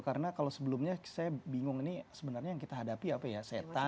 karena kalau sebelumnya saya bingung ini sebenarnya yang kita hadapi apa ya setan